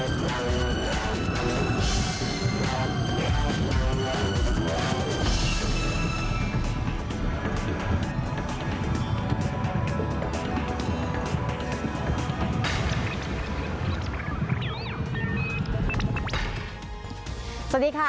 สวัสดีค่ะ